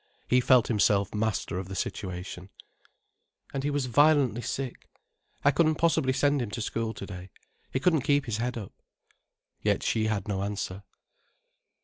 He felt himself master of the situation. "And he was violently sick. I couldn't possibly send him to school to day. He couldn't keep his head up." Yet she had no answer.